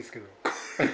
ハハハ。